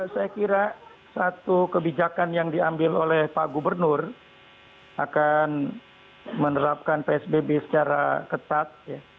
saya kira satu kebijakan yang diambil oleh pak gubernur akan menerapkan psbb secara ketat